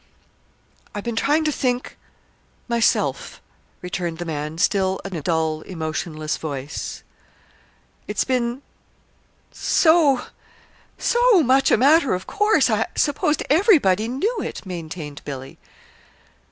"I've been trying to think, myself," returned the man, still in a dull, emotionless voice. "It's been so so much a matter of course. I supposed everybody knew it," maintained Billy.